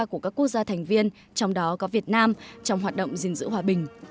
của các quốc gia thành viên trong đó có việt nam trong hoạt động gìn giữ hòa bình